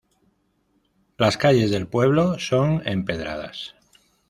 Las calles del pueblo son empedradas.